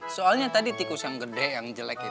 soalnya tadi tikus yang gede yang gede yang gede